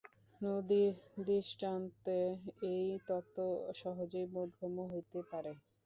নদীর দৃষ্টান্তে এই তত্ত্ব সহজেই বোধগম্য হইতে পারে।